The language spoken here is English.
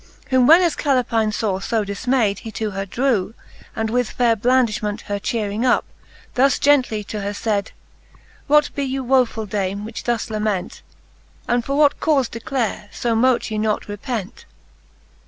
Whom when as Calepine faw fo difmayd, He to her drew, and with faire blandiihment Her chearing up, thus gently to her fayd ; What be you, wofuU dame, which thus lament,, And for what caufe declare, fo mote ye not repent